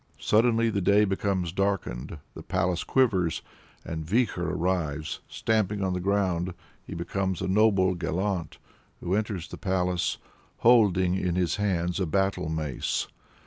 Suddenly the day becomes darkened, the palace quivers, and Vikhor arrives; stamping on the ground, he becomes a noble gallant, who enters the palace, "holding in his hands a battle mace."